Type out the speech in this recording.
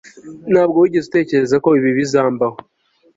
ntabwo wigeze utekereza ko ibi bizambaho